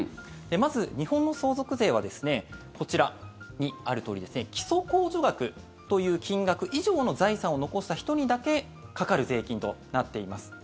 まず、日本の相続税はこちらにあるとおり基礎控除額という金額以上の財産を残した人にだけかかる税金となっています。